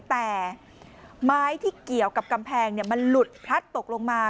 แต่ไม้ที่เกี่ยวกับกำแพงมันหลุดพลัดตกลงมา